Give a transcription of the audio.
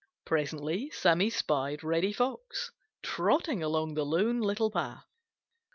Presently Sammy spied Reddy Fox trotting along the Lone Little Path.